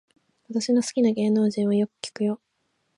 私の好きな芸能人はよく聞くよ